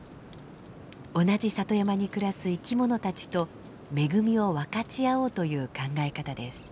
同じ里山に暮らす生き物たちと恵みを分かち合おうという考え方です。